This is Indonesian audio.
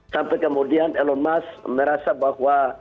sampai kemudian elon musk merasa bahwa